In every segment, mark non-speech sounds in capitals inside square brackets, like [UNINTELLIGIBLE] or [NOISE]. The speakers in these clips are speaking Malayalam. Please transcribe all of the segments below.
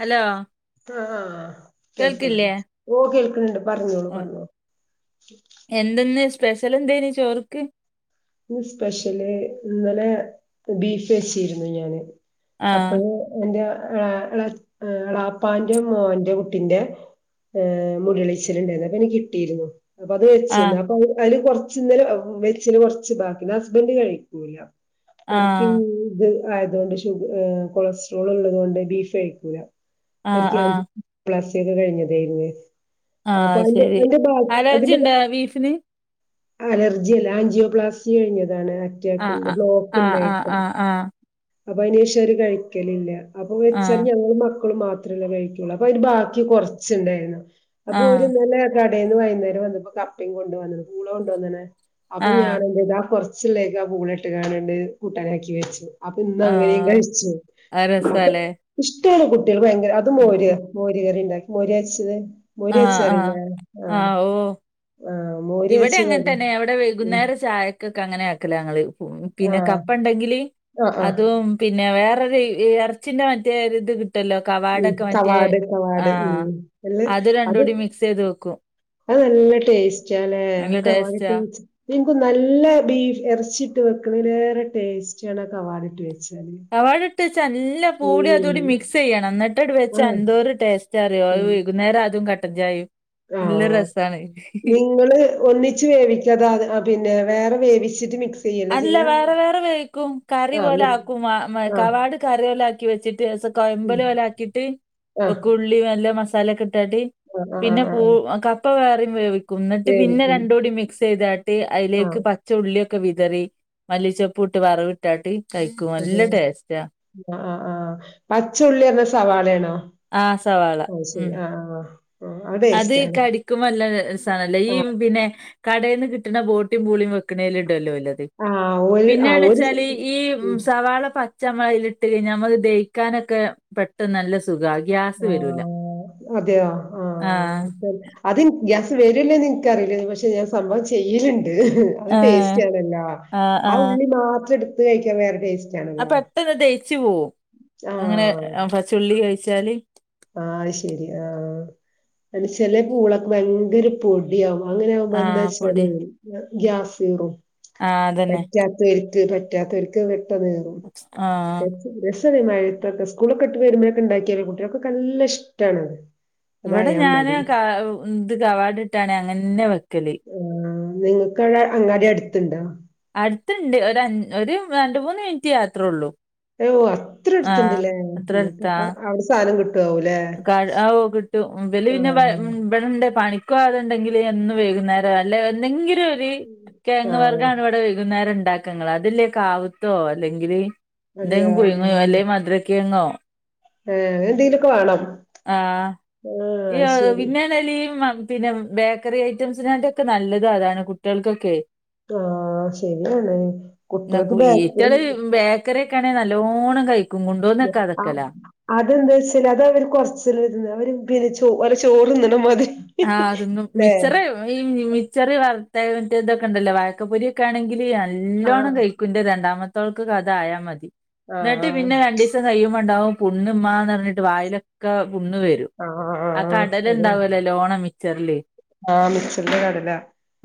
ഹലോ ആഹ് കേൾക്ക്ണ് കേൾക്കില്ലേ ഓ കേൾക്ക്ണ് ഇണ്ട് പറഞ്ഞോളൂ ആഹ് പറഞ്ഞോ എന്തെന്ന് സ്പെഷ്യൽ എന്തേന് ചോർക്ക് സ്പെഷ്യല് ഇന്നലെ ബീഫ് വെച്ചിരുന്നു ഞാന് ആഹ് അപ്പഴ എൻ്റെ എ യ എളാപ്പാന്റെ മോന്റെ കുട്ടിന്റെ ഏ മുട്യളീച്ചലിണ്ടായിരുന്നു അപ്പൊ ഇനി കിട്ടീരുന്നു അപ്പൊ അത് വെച്ചന്ന് ആഹ് അപ്പൊ അല് കുറച്ച് ഇന്നലെ വെച്ചല് കൊർച്ച് ബാക്കി ഹസ്ബൻഡ് കഴിക്കൂല ഒരിക്കും ആഹ് ഇത് ആയതോണ്ട് ഷുഗ് കൊളസ്ട്രോൾ ഇള്ളതോണ്ട് ബീഫ് കഴിക്കൂല ആഹ് അവരിക്ക ആഹ് [UNINTELLIGIBLE] കഴിഞ്ഞതായിരുന്നു ആഹ് അപ്പൊ അത് അന്റെ ശരി അതിന്റെ ഭാഗ അലർജി അതിന്റെ ഇണ്ടോ ബീഫിന് അലർജി അല്ല ആഞ്ജിയോപ്ലാസ്റ്റി കഴിഞ്ഞതാണ് ആഹ് അറ്റാക്കിന്റെ ബ്ലോക്ക് ആഹ് ആഹ് ഇണ്ടായിട്ട് ആഹ് അപ്പൊ അയ്നേഷൊര് കഴിക്കലില്ല അപ്പൊ ആഹ് വെച്ചാല് ആഹ് ഞങ്ങള് മ ത്രല്ല കഴിക്കുള്ളൂ അൊ ബാക്കി കുറച്ചുണ്ടായിരുന്നു അപ്പോൊഓര് ആഹ് ന്നലെ ടന്ന് വൈുന്നേരം വന്നപ്പോ കപ്പി കൊ വന്ന കൂള കൊണ്ടുവന്ന അപ്പൊ ആഹ് ആഹ് ഞാനൊ ന്റെയത് കൊറ ിലേക്ക് ആ പൂളിട്ട് കാണണ്ട് കൂട്ടാനാക്കി വെച്ചു അപ്പൊ ഇന്ന് അങ്ങനെയ ആഹ് കയിച് അത് രസാല്ലേ കുട്ടാണ് കുട്ടികൾ ഭയങ്കര അത് ഉം മോര് മോര് കറി ഉണ്ടാക്കി മോര്ച്ചത് ആഹ് ആ ആ ഓ ആ മോര് ഇവിടെ വെച്ചത് അങ്ങനെ അത് തന്നെ അവിടെ ഉം വൈകുന്നേര ചായക്ക അങ്ങനെ ആക്കല ഞങ്ങ പിന്നെ ആഹ് കപ്പ ണ്ടെങ്കില് ആഹ് ആഹ് അതും പിന്നെ വേറെ എറച്ചിന്റെ മറ്റേത്ട്ട ഇട്ടല്ലോ ഉം കവാടൊക്കെ മറ്റേ സവാട് ആ സവാട് ഉം നല്ല അത് രണ്ട കൂടി മിക്സ് ചെയ്ത് വെക്കും അത് നല്ല ടേസ്റ്റ് ാലേ നല്ല ഒക്കെ വട്ട് ടേസ്റ്റാ വ നിനക്ക് നല്ല ബീഫ് ഇറച്ചിട്ട് മളേറെ ടേസ്റ്റ ആണ കവാടിട്ട് വെച്ചാല് നല്ലാ കൂടി ഉം അതുകൂടി മിക്സ് ചെയ്യണം എന്നിട്ടോട് വൊ ആഹ് എന്തോ ഒരു ടേസ്റ്റ് അറിയോകുന്നരം അും ക പജായി ആഹ നിങ്ങള് ഒന്നച്ച് വേവിക്കത പിന്നെ വേറെ വേിച്ചട്ട് മക്സ് അല്ല വേറെ വേറെ വേിക്കും കറി ആഹ് പോലെ ന്ന് ആക്കും ആഹ് കവാട് കറി പോലെ ആക്കി വെച്ചിട്ട് കൊയല ഉം ആഹ് വലക്കിയിട്ട്ുള്ളി നല്ല മസാലക്ക ഇട്ടാട്ടി ആഹ് ആഹ് പിന്നെ ആഹ് പൂ ആഹ് കപ്പ വേറവേവി കുന്നിട്ട് പിന്നെ വേവിക്കും രണ്ട കൂടി മിക്സ് ചെയ്താട്ട് അതിലേക്ക് ആഹ് പച്ച ഉള്ളിയൊക്കെ വി ഇതറി മല്ലിച്ചപ്പ ഇട്ട് വറവി ഇട്ടാട്ടി കഴിക്കൂ നല്ല ടേസ്റ്റാ ആ പച്ചുള്ളിറഞ്ഞ സവാളേണോ ആ സവാള ഓ ശരി ഉം ആ ആ ആ അത് ടേസ്റ്റാണ്. കടിക്കുബൊ ല്ല സണല്ലോ ഈ ആ. പിന്നെ കടയി ന്ന് കിട്ടുന്ന ബോട്ടി പൂളീം വെകണിലുണ്ട് ല്ല ആ ഒരു ആ പിന്നെണ ഒരു സ് വെച്ചാല് ഈ ഉം. സവാള പ നമ്മൾ അതിലിട്ട് കഴിഞ്ഞാൽ നമ്മത് ദഹക്കാനൊക്കെ പെട്ടെന്ന് നല്ല സുഖ ഗ്യാസ് ആ വരൂല അതെയോ? ആ ആഹ് അത് ഗ്യാസ് വരല്ലോന്ന് ഇൻക്ക് ക്ക്റിയില്ല പക്ഷെ ഞാൻ സംഭവം ചെയ്യലി ണ്ട് അ ആഹ് ടേസ്റ്റ്ല്ല ആഹ് ആ ഉള്ളി മാത്രം ടത് കഴിക്കാൻ വേറെ ടേസ്റ്റ് ആ പെട്ടെന്ന് ദയിച്ചു പോവും ആ. അങ്ങനെ പച്ചുള്ളി കഴിച്ചാല് ആഹ ശെരി ആഹ അ ചെല പൂളൊക്കെ ഭയങ്കര പൊടിയവുംും അങ്ങനെആവുമ്പോ ആഹ് എന്താച്ചാലേ ഗ്യാസ്റും ആഹ അതന്നെ പറ്റാത്തവർക്ക് വെട്ടതറും ആഹ് [UNINTELLIGIBLE] മഴത്തൊക്കെ സ്കൂളൊക്കെ ഇട്ട് വരുമ്പോഴൊക്കെ ണ്ടാക്കിയാല കുട്ടിൾകൊക്കെ നല്ല ഇഷ്ടണത് ഇവിടെ ഞാന് ഇന്ത് കവാഡ് ഇട്ടാണ് അങ്ങനെ വെക്ക ആ നിങ്ങൾക്ക്വിടെ അങ്ങാടി അടുത്തണ്ടോ ണ്ട് ഒരു രണ്ട് മൂന്ന് മിനിറ്റ് യാത്രേ ഉള്ളു അയഓ അത്ര അടുത്തണ്ടല്ലേ അത്ര അടുത്താ എന്നിട്ട്പ്പ അവിടെ സാധനം കിട്ടി ആ കിട്ടു വല പിന്നെ വ ആഹ് വിെടെന്റെ പണി ക്ക അണ്ടെങ്കിൽ എന്നും വൈകുന്നേരം അല്ലെ എന്തെങ്കിലും ഒരു കേങ്ങ് ആഹ് വർഗണ ഇവിടെ വൈകുന്നേരം ഉ ഉണ്ടാക്കങ്ങ അതല്ലേ കാവുത്തോ അല്ലെങ്കിൽ അതെയോ എന്തെങ്കിലും പുഴുങ്ങോ അല്ലെ മുര കേങ്ങോ ആഏ എന്തെങ്കിലൊക്കെ വണം ആഹ ഈ വിന്നേ നലും പിന്നെ ബേക്കറി ഐറ്റംസിനായിട്ടൊക്കെ നല്ലത അതാണ് കുട്ടിൾക്കൊക്കെ ആഹ ശരിയാണ് കുട്ടിൾക്ക് ബാക്കറി െ നല്ലോണം കഴിക്കു അതെന്താ വച്ചല് അത് അവര് കൊറച്ച് അവ പിന്നെ ചോരുന്നമാതിരി മാതിരി ആഹ അതൊന്ന ല്ലേ. മിച്ചറി ഈ മിിച്ചറി വ റ്റ ഇതൊക്കെ ഉണ്ടല്ലോ വായക്കപ്പൊരി ഒക്കെ ആണെങ്കിൽ നല്ലോണം ആഹ് കഴിക്കു് രണ്ടാമത്തെ ക്ക് കഥ ആയാ മതി ആഹ് എന്നിട്ട് പിന്നെ ആഹ് രണ്ടു ദിവസം കഴിയുമുണ്ടാവും പു ണ്ണ്ന്ന് പറഞ്ഞിട്ട് വായിലൊക്കെ പുണ് വരും ആഹ് ആ ആഹ് കടലണ്ടാവ വിച്ചറലേ മിച്ചന്റെ കടല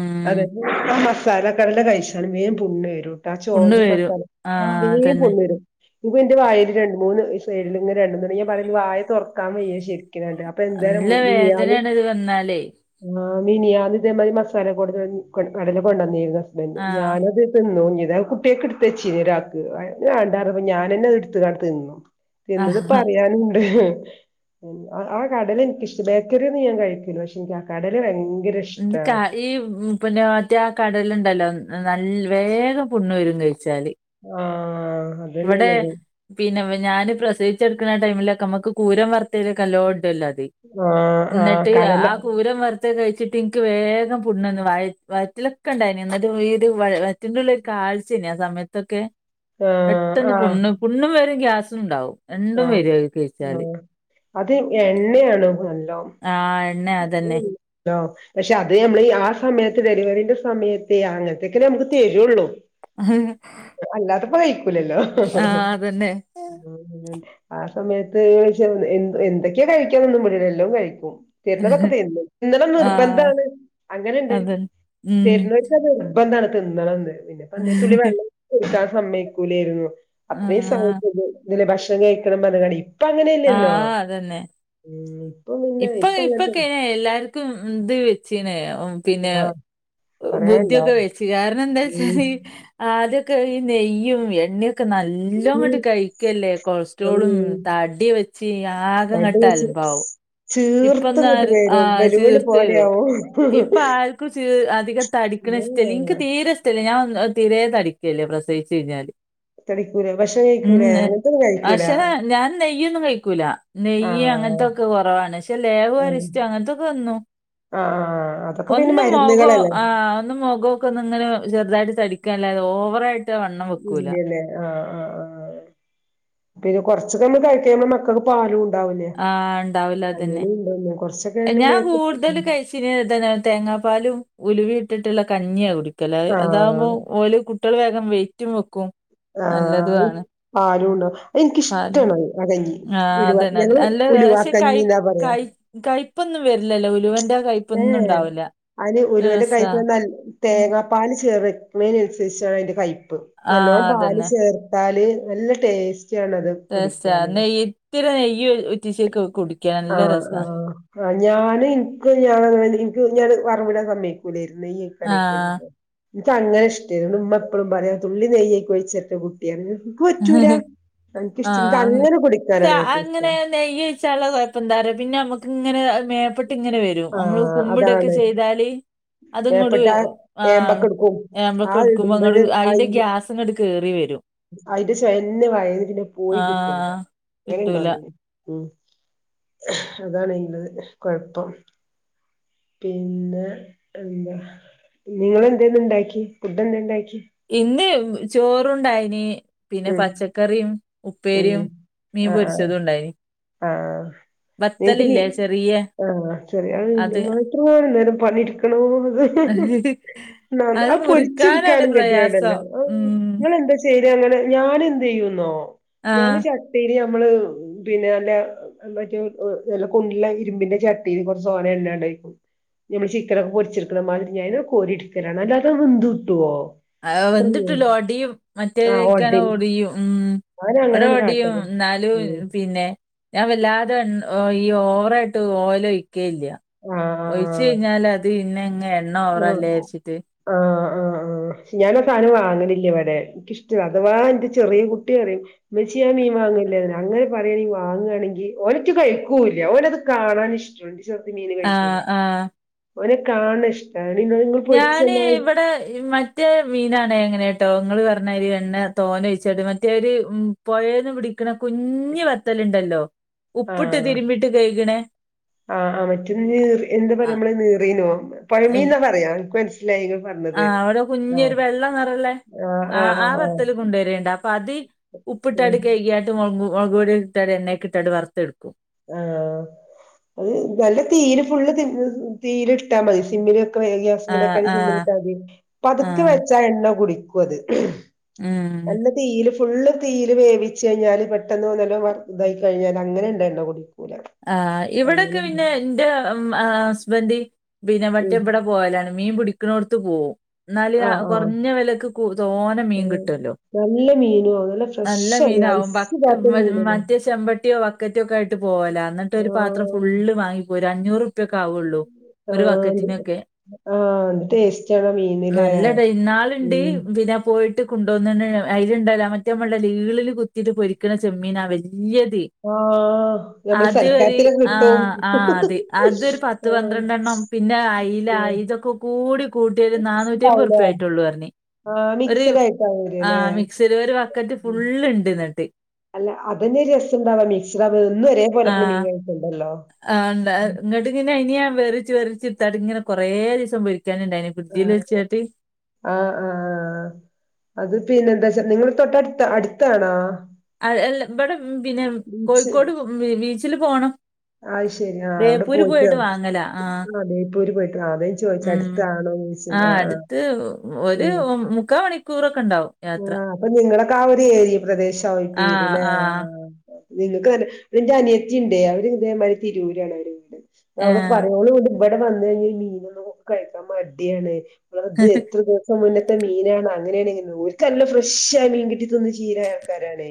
ഉം അതെല്ല ചാലക്കടില കഴിച്ചാണ് വേൻ പ പുണ്ണ് വരുംട്ടാ ആ പുണ്ണ് ചോതിരി വരും മസാല ആ ആഹ് വീൻ അതന്നെ പുണ്ണ് വരും ഇപ്പൊ എന്റെ വായൽ രണ്ട മൂന്ന് സൈഡിൽ ഇങ്ങെ രണ്ടുുണ്ട ാ പറഞ്ഞ വായ തുറക്കാൻ വയ്യ ശരി അപ്പൊ എന്തായാലം നല്ല ആയാള് വേദനയാണ് ഇത് വന്നാലേ ആ മിനിയാന്ന് ഇതേ മതി മസാല കൊടു കടല കൊണ്ടുവന്നിരുന്നു ഹസ്ബൻഡറ് ആഹ് ഞാനത്ന്നോന്നി കുട്ടിയൊക്കെ എടുത്തച്ച ഒരാക്ക് കണ്ടാറപ്പ ഞാനന്നെ അത് എടുത്ത് കണ്ട്ത്ത് നിന്നു എന്നത് ആഹ് പറയാനുണ്ട് ആ കടല എനിിക്കിഷ്ടം ബേക്കറിൊന്നും ഞാൻ കഴിക്കല പക്ഷെ എനിക്ക് ആ കടൽ ഭയര ഈ പിന്നെ മറ്റേ കടലുണ്ടല്ലോ നല്ല വേഗം പുണ്ണ് വരും കഴിച്ചാല് ആ ഇവിടെ പിന്നെ ഞാൻ പ്രസവിച്ചെടുക്കുന്ന ടൈമിലൊക്കെ നമ്മുക്ക് കൂരം വർത്തൽ കല്ലോ ആഹ് ആഹ് എന്നിട്ട് കടല ആ കൂരം വ കഴിച്ചിട്ട് എനിക്ക് വേഗം പുടന്ന് വ വറ്റിലൊക്കെ ഉണ്ടായി എന്നട്ട് ഈ ഒരു വറ്റള്ള കാഴ്ചനെ ആ സമയത്തൊക്കെ ആ ണ് പുണ്ണു പുണ്ണും വരും ഗ്യാസുംണ്ടാവും രണ്ടും ആഹ് വരു കഴിച്ചാല് ആഹ് അത് എണ്ണയാണ് നല്ലോ ആ പിന്നെ അതന്നെ പക്ഷെ അത് നമ്മൾ ഈ ആ സമയത്ത് ഡെലിവറിന്റെ സമയത്തേ അങ്ങനത്തൊക്കെ നമുക്ക് തരുള്ളൂ അത അ കഴിക്കൂലല്ലോ ആ സമയത്ത് വിള എ എന്തൊക്കെയാ കഴിക്കൻ ഒന്നും മുടിില്ല എല്ലാം കഴിക്കും തരുന്നതൊക്കെ തീന്ന് ഇന്നലെ ആ നിർബന്ധണ് അങ്ങനെുണ്ട് അതന്നെ ഉം തരന്ന് വെച്ചത ഇപ്പ എന്താണ് തിന്ന പിന്നെപ്പ അന്നേത്തുള്ളി വെള്ളം എക്കാൻ സമയക്കൂലായിരുന്നു ആ അത്രയും സഹായിണ്ട് ഇലെ ഭക്ഷണം കഴിക്കണം മ കട അപ്പ ആ അങ്ങനെല്ലല്ലോ അതന്നെ ഉ ഇപ്പൊ ഇപ്പൊക്കെന എല്ലാർക്കും എന്ത് വെച്ചീന പിന്നെ ആഹ് പറയാണ്ടോ ബുദ്ധിയൊക്കെ വെച്ച് കാരണം എന്താ ഉം വച്ചാൽ ഈ ആദ്യ നെയ്യും എണ്ണ ക്കെ നല്ല ഉം അങ്ങോട്ട് കഴിക്കല്ലേ കൊളസ്ട്രോളും ഉം തടിയ വെച്ച് ആകെ അത് കെട്ടാലു വെച്ച് ഇപ്പന്ന് ചീർത്തിങ്ങട്ട് ആ വരും ബലൂണ് ചീർത്തരുോ പോലെയാവും ഇപ്പ ആർക്കും അധികം തടിക്കണ ഇഷ്ടമല്ല എനിക്ക് ഏഹ് തീരെ ഇഷ്ടമല്ലേ ഞാൻ തീരെേ തടിക്കുകല്ലേ പ്രസവിച്ചു കഴിഞ്ഞാല് തടിക്കൂര ഭഷിക്കൂര ഉം പക്ഷെ ഞാൻ നെയ്യൊന്നും കഴിക്കൂല നെയ്യ ആഹ് അങ്ങനത്തൊക്കെ കുറവാണ് പക്ഷ ലേവ ഉം അരിച്ചറ്റ് അങ്ങനത്തൊക്കെ വന്നു ആഹ് അതൊക്കെ പിന്നെ ഒന്നും മഖോ മരുന്നുകളല്ലേ ആ ഒന്ന മോഖോ ഒക്കെ ഇങ്ങനെ അതായിട്ട് തടിക്ക ഓവറായിട്ട് വണ്ണം വെക്കൂല. ഇല്ലല്ലേ ആഹ ആഹ ആഹ് പി കൊറച്ച കമ്മൾ കഴിക്കുമ്പൾ മക്കൾക്ക് പാലും ഉണ്ടാവുന്നേ ആ ഇണ്ടാവില്ല അതന്നെ. അങ്ങനെണ്ടന്ന കൊറച്ച ഞാൻ കൂടുതൽ കഴശിന തേങ്ങാപ്പാലും ഉലുവി ഇട്ടിട്ടുള്ള കഞ്ഞിയ കുടിക്കും ല അതാകുമ്പോ ആഹ് ഓല കുട്ടികള് വേഗം വെറ്റും വെക്കും നല്ലതും ആണ് ആആരുംണ്ട പാല്. എനിക്കിഷ്ടമാണ് അതങ്ങി ആ ഒരു അതന്നെ നല്ല ഞങ്ങള് ഉലുവാ കഞ്ഞിലാ പറയാ ഇപ്പൊന്നും വരില്ലോ ഉലുവൻന്റെ ഏ അന് ഉരുവൻ രസാ. കഴിച്ച ഉം. തേങ്ങാപ്പാൽ ചേർ ചമേനനുസരിച്ചാണ് അതിന്റെ കയപ്പ് ആ നല്ലോണം പാല് അതന്നെ ചേർത്താല് നല്ല ടേസ്റ്റ് നെയ്യ് ഇത്തിരി നെയ്യ് ഉറ്റച്ചേക്ക് കുടിക്ക ആ ആ ആ ഞാന് ഇന ഞ ഞാൻ പറമ്പ വിടാൻ സമയക്കൂലായിരുന്നു നെയ്യ് കാനോ ആഹ്. കോരിന്നോ എനിക്ക അങ്ങനെ ഇഷ്ടമായിരുന്നു ഉമ്മ എപ്പഴും പറയാ തുള്ളി നെയ്യേക്കക്ക് വെിച്ചിട്ട കുട്ടിയാാണ് എനിക്ക് പറ്റൂല ആ ഇൻക്കിഷ്ട ഇൻക്കങ്ങനെ കുടിക്കാനാണ് ഏറ്റവും അങ്ങനെ ഇഷ്ടം നെയ്യ ചോിച്ചാള കൊഴപ്പം തര പിന്നെ നമ്മക്ക് ഇങ്ങനെ മേപ്പെട്ട്ങ്ങനെ വരും നമ്മള് ആഹ് കുമ്പിടൊക്കെ അതാണ്. ചെയ്താല് അത്ങ്ങോട്ട മേപ്പട്ട ആ ഏമ്പക്കെട്ക്കും. ആ നമ്മളൊക്കെ എടുക്കുമ്പോ അങ്ങോട്ട ഇടുമ്പഴ് അതിന്റെ ഗ്യാസ് ഇങ്ങോട്ട് കേറി വരും അതിന്റെ സ്ന്ന വഴന്ന് പിന്നെ പോയി കിട്ടൂട ആഹ് കിട്ടൂല. എനണ്ടോന്ന് ഉ അതാണെങ്കത് കൊഴപ്പം പിന്നെ എന്താ നിങ്ങ എന്തന്ന ഇണ്ടാക്കി ഫുഡ് എന്താണ്ടാക്കി ഇന്ന് ചോറണ്ടായിന് പിന്നെ ഉം പച്ചക്കറിയും ഉപ്പേരിയും മീൻ പൊരിച്ചതും ഉണ്ടായിന് ആ നിങ്ക്ക് നീ ചെറിയ ആ ശെരി അണ് എങ്കി അത് മത്രമാ നേരം പണി എടുക്കണോന്ന് അഹ്ന് ആ പൊരിച്ചെടുക്കാനും ഗദ്യയടെല്ലേ ആ് ഉം നിങ്ങളെന്താ ചെയ് അങ്ങനെ ഞാൻ എന്ത് ചെയ്യുന്നോ ഞൻ ആഹ് ചട്ടിയില് നമ്മ ള്പിന്നെ നല്ല മറ്റ ല്ല കണ്ില ഇരുമ്പിന്റെ ചട്ടീ കുറച്ച് സോന തന്നെയണ്ട് ഞമ്മൾ ചിക്കനൊക്കെ പൊരിച്ചെടുക്കുന്ന മാതിരി ഞ കോരിടക്കലാണ് അല്ലാതെ വെന്ന് കിട്ടുവോ ആ വെന്തിട്ടിലോ ഒടിയും ആഹ് മറ്റേതലേക്കാണ് ഓട്ടീ ഓടിയും ഉ വിട ഞാനങ്ങനാണ് ഓടിയും കാട്ടല് എന്നാലും ഉം പിന്നെ ഞാൻ വല്ലാതെ എ ഒയ്യോ ഓവറായിട്ട് ഓയിൽ ഒയിക്കെയേല്ല ആഹ് ഒഴിച്ച് കഴിഞൽ അതുപിന്നെ ആ ആ ആ ഷേ ഞാന്നസാനം വാങ്ങനില്ല ഇവിടെ എനിക്കിഷ്ടല്ല അഥവാ എന്റെ ചെറിയ കുട്ടി പറിയും ഉമിച്ചി ഞാ മീൻ വാങ്ങ അങ്ങനെ പറയയാണെങ്കിൽ വാങ്ങയാണെങ്കിൽ ഒന്നറ്റ് കഴിക്കൂല്ല ഒനത് കാണാൻ ഇഷ്ടണ്ട് ത് മീന് ആ കഴിക്കൂല ആ ഓന് കാണുന്ന ഇഷ്ട്ട ഞാന് ഇവിടെ മറ്റേ മീനണേ എങ്ങനെ ോങ്ങൾ പറഞ്ഞര് എണ്ണ തോന ഒഴിച്ചത് മറ്റേഒര് പുഴേന്ന് പിടി വിക്കണ കുഞ്ഞ് വത്തലുണ്ടല്ലോ ഉപ്പിട്ട് ആഹ് തിരുമ്പിട്ട് കഴകണേ. ആഹ് ആ മറ്റേ നീർ എന്താ പറയാ നമ്മള നീറിന പുഴമീന്നാ പറയാ മനസ്സിലായി നിങ്ങൾ ആ പറഞ്ഞത് അവിടെ കുഞ്ഞ് ആഹ് ഒരു വെള്ള നിറല്ലേ ആഹ് ആ ആഹ് ആ ആഹ് വത്തല് കൊണ്ടുവരേണ്ട അപ്പൊ അത് ആഹ് ഉപ്പിട്ടടി കൈകായിട്ട് മുളകും മുളക് പടടിൽ ഇട്ടാെ എണക്ക ഇട്ടാ വറുത്തെടുക്കും ആ അത് നല്ല തീര് ഫുള്ള് തീര് ഇട്ടാ മതി സിമ്മില് ആഹ് ഗ്യാസമിലൊക്ക ആഹ് ചീിട്ട അപ്പൊ അതൊക്കെ ആഹ് വെച്ചാ എണ്ണ കുടിക്കും അത് ഉം ഫുള് തീല് വേവിച്ച് കഴിഞ്ഞാല് പെട്ടെന്ന് ട്ട് ഇതായി കഴിഞ്ഞാൽ അങ്ങനെ ഉണ്ടായിണ്ടോ കുൂടി ആ ഇവിടെൊക്കെ പിന്നെ ന്റെ മ് ആ ഹസ്ബൻഡ് ബിനവട്ടി ഉം എവിടെ പോയലാണ് മീൻ പിടിക്കുന്നോടുത്ത് പോവും. എന്നല് ആഹ് ആഹ് കുറഞ്ഞ വിലക്ക് തോനെ മീൻ ഉം കിട്ടുല്ലോ നല്ല മീനോ നല്ല മീ ഫ്രഷ് മീനാവും ഐസിടാത്ത മീനല്ലേ മറ്റേ ചെമ്പട്ടിയോ വക്കറ്റോ ഒക്കെ ആയിട്ട് പോകല എന്നിട്ട് ഒരു പാത്രം ആഹ് ഫുള് വാങ്ങിപ്പോരുംഒരു അഞ്ഞൂറ്റുപ്യൊക്കെ ആവുള്ളൂ ഒരു ആഹ് ബക്കറ്റിനൊക്കെ ആഹ് എന്ത് ടേസ്റ്റാണ് ആ മീനിലെ നല്ലടാ ഇന്നാളുണ്ട് ഉം പിന്നെ പോയിട്ട് ഇ കൊണ്ടോന്ന അതി ആഹ അത്ര് ആ ആ അത് അതൊരു പത്ത് ആഹ് പന്ത്രണ്ടെണ്ണം പിന്നെ അയില ഇതൊക്കെ കൂടി കൂട്ടിയൽ നാനൂറ്റി ഉണ്ടാവുല്ലേ അമ്പത് ുപ ആയിട്ടള്ളു പറഞ്ഞ ആഹ് ഒരു മിക്സഡ് ആയിട്ടാവും ആ വരല്ലേ മിക്സിൽ ഒരു ബക്കറ്റ് ഫുള്ള് ഇണ്ട്ന്നിട്ട്. അല്ല അതെ രസംണ്ടവാ മിക്സിഡ ആ എന്നും ഒരേ പോലെ ഇ മീൻ കണ്ടല്ലോ ആണ്ടാ ഇങ്ങട്ട് ഇങ്ങനെ ഇനിയാൻ വെറിച്ച് വെറിച്ച തടിങ്ങ കൊറെ ദിസം വിളിക്കാനുണ്ടായിനി പ്ൽ ആഹ് വെച്ചാട്ടി ആഹ് ആഹ് അത് പിന്നെ എന്താ വച്ചാ നിങ്ങ തൊട്ടടുത്ത് അടുത്താണാ അല്ല ഇവിടെ പിന്നെ കോഴിക്കോട് ബീച്ചില് പോണം ആ അത് ശരി ആ അവിടെ പോയിട്ട് വാങ്ങല ആഹ് ആ നെയപ്പൂര് പോയിട്ട് അതേ ചോദിച്ച് ആ ആ അടുത്ത് ഒരു മുക്കാ മണിക്കൂറൊക്കെ ഉണ്ടാവും ആ യാത്ര അപ്പൊ നിങ്ങളക്കെ ആ ഒരു ഏരി പ്രദേശമായിട്ട് ആഹ് വരുംല്ലേ ആഹ് നിങ്ങക്ക് തന്നെ എന്റെ അനിയത്തിയ ഉണ്ടേ അവര് ഇതേമാതിരി തിരൂരാണ് അവര്ീട് അവവിടെ പറയ ഇവിടെ വന്ന് കഴിഞ്ഞാൽ മീനൊന്നും കഴിക്കാൻ മടിയാണ് എത്ര ദി ദിവസം മുന്നെ ത്തെ മീനാണ് അങ്ങനെയാണെങ്ക നല്ലാം ഫ്രഷ ആ മീൻ കിട്ടിൊന്ന് ചീര ആൾക്കാരാണേ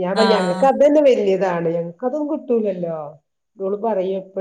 ഞാൻ ആഹ് പറഞ്ഞ്ങ്ങക്ക് അത് തന്നെ വലിയതാണ് ഞങ്ങക്ക് അതൊന്നും കിട്ടൂലല്ലോ ഇോള് പറയും എപ്പോഴും